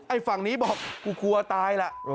ฝั่งนี้บอกกูกลัวตายล่ะ